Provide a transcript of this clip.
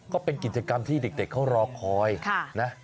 ก็เป็นกิจกรรมที่เด็กเขารอคอยนะ